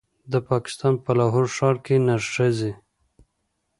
د پاکستان په لاهور ښار کې د نرښځې